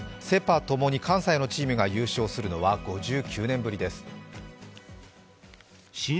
セ・パともに関西のチームが優勝するのは５９年ぶりです。